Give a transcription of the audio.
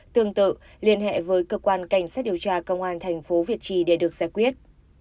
tương tự liên hệ với cơ quan cảnh sát điều tra công an thành phố việt trì để được giải quyết